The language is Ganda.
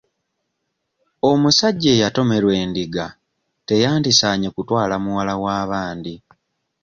Omusajja eyatomerwa endiga teyandisaanye kutwala muwala wa bandi.